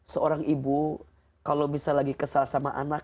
seorang ibu kalau misalnya lagi kesal sama anak